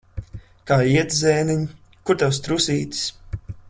Kā iet, zēniņ? Kur tavs trusītis?